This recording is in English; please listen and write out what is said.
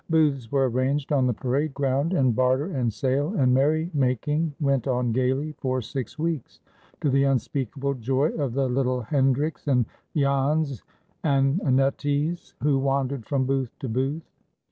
Booths were arranged on the parade ground, and barter and sale and merrymaking went on gaily for six weeks, to the unspeakable joy of the little Hendricks and Jans and Annetjes who wandered from booth to booth.